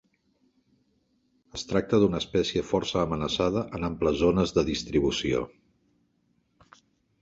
Es tracta d'una espècie força amenaçada en amples zones de distribució.